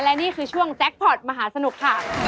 และนี่คือช่วงแจ็คพอร์ตมหาสนุกค่ะ